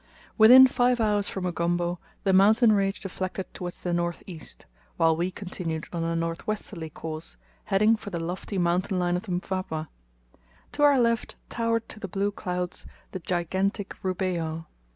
Within five hours from Ugombo the mountain range deflected towards the north east, while we continued on a north westerly course, heading for the lofty mountain line of the Mpwapwa. To our left towered to the blue clouds the gigantic Rubeho.